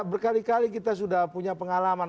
berkali kali kita sudah punya pengalaman